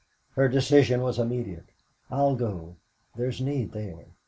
Her decision was immediate: "I'll go, there is need there.